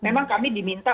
memang kami diminta